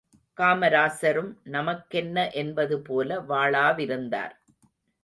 காமராசரும் நமக்கென்ன என்பது போல வாளாவிருந்தார்.